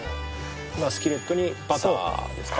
スキレットにバターですか？